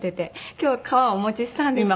今日革をお持ちしたんですけど。